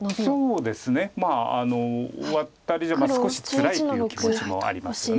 そうですねワタリじゃ少しつらいという気持ちもありますよね。